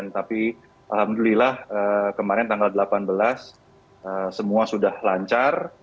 tapi alhamdulillah kemarin tanggal delapan belas semua sudah lancar